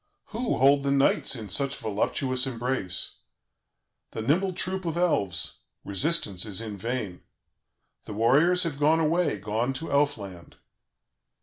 Who hold the knights in such voluptuous embrace? The nimble troop of Elves; resistance is in vain. The warriors have gone away, gone to Elfland.